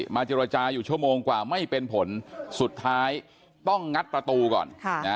เจรจาอยู่ชั่วโมงกว่าไม่เป็นผลสุดท้ายต้องงัดประตูก่อน